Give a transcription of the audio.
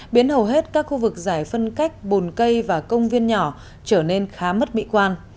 biến hầu hết các khu vực giải phân cách bồn cây và công viên nhỏ trở nên khá mất mỹ quan